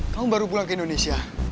kamu baru pulang ke indonesia